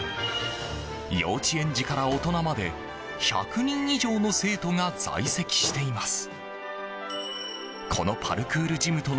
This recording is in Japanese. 幼稚園児から大人まで１００人以上の生徒が在籍しています。